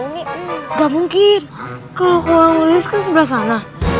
nggak mungkin kalau ke orang lilis kan sebelah sana